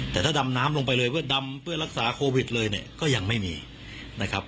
แต่ถ้าดำน้ำลงไปเลยเพื่อดำเพื่อรักษาโควิดเลยเนี่ยก็ยังไม่มีนะครับ